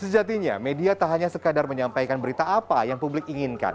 sejatinya media tak hanya sekadar menyampaikan berita apa yang publik inginkan